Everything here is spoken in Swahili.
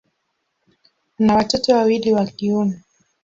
Ana watoto wawili wa kiume.